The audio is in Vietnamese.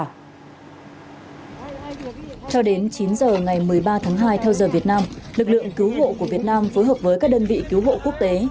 cho đến chín giờ ngày một mươi ba tháng hai theo giờ việt nam lực lượng cứu hộ của việt nam phối hợp với các đơn vị cứu hộ quốc tế